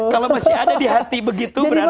kalau masih ada di hati begitu berarti